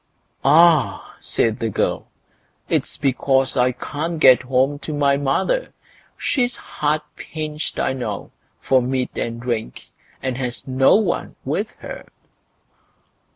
"Ah!" said the girl, "it's because I can't get home to my mother. She's hard pinched, I know, for meat and drink, and has no one with her."